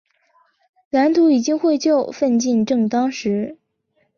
蓝图已经绘就，奋进正当时。